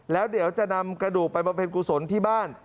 แล้วเดี๋ยวจะนำกระดูกไปบำเพ็ญกุศลที่บ้าน